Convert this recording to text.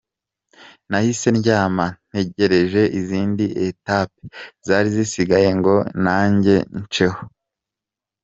Nahise ndyama, ntegereje izindi etapes zari zisigaye ngo nanjye nceho.